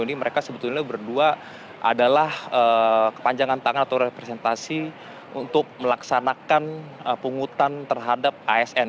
ini mereka sebetulnya berdua adalah kepanjangan tangan atau representasi untuk melaksanakan pungutan terhadap asn